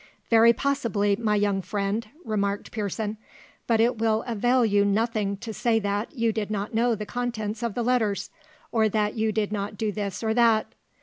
"Very possibly, my young friend," remarked Pearson; "but it will avail you nothing to say that you did not know the contents of the letters, or that you did not do this or that.